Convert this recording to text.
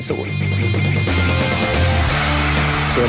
ภาพต้องเป็นศูนย์